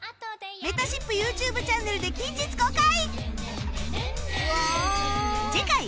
めたしっぷ ＹｏｕＴｕｂｅ チャンネルで近日公開！